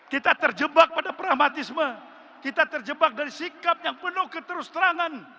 kita terjebak pada pragmatisme kita terjebak dari sikap yang penuh keterus terangan